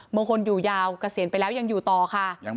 บางคนอยู่ยาวเกษียณไปแล้วยังอยู่ต่อค่ะ